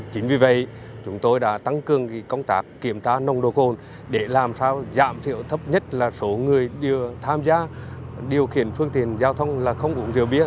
chính vì vậy chúng tôi đã tăng cường công tác kiểm tra nồng độ cồn để làm sao giảm thiểu thấp nhất là số người tham gia điều khiển phương tiện giao thông là không uống rượu bia